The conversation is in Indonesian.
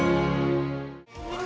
terima kasih atas dukungan anda